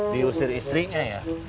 diusir istrinya ya